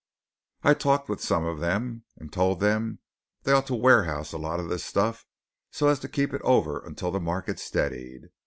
I talked with some of them and told them they ought to warehouse a lot of this stuff so as to keep it over until the market steadied.